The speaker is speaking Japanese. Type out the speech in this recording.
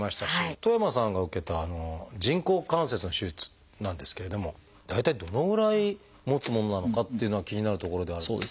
戸山さんが受けた人工関節の手術なんですけれども大体どのぐらいもつものなのかっていうのは気になるところではあるんですが。